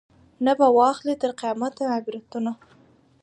نه به واخلي تر قیامته عبرتونه